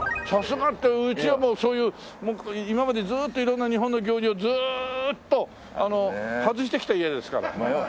さすがってうちはもうそういう今までずっと色んな日本の行事をずーっと外してきた家ですから。